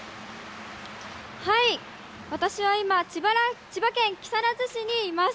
私は今、千葉県木更津市にいます。